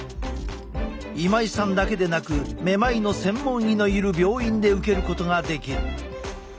今井さんだけでなくめまいの専門医のいる病院で受けることができる。